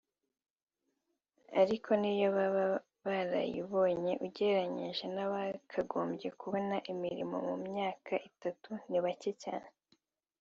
ariko niyo baba barayibonye ugereranyije n’abakagombye kubona imirimo mu myaka itatu ni bake cyane